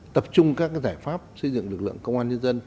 tập trung các giải pháp xây dựng lực lượng công an nhân dân